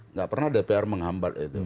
nggak pernah dpr menghambat